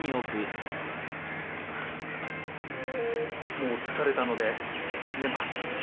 もう疲れたので寝ます。